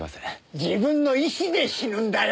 自分の意思で死ぬんだよ。